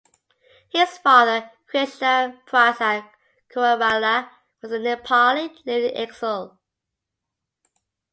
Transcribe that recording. His father, Krishna Prasad Koirala, was a Nepali living in exile.